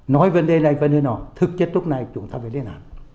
nói vấn đề này vấn đề nọ thực chất lúc này chúng ta phải lên án